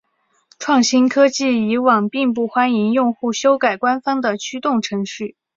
创新科技以往并不欢迎用户修改官方的驱动程序。